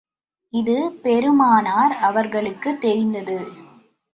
இது பெருமானார் அவர்களுக்குத் தெரிந்தது.